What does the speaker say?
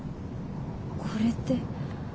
これって。